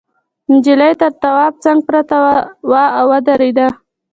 نجلۍ تر تواب څنگ پرته وه او ودرېده.